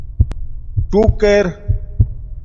څُݸک ار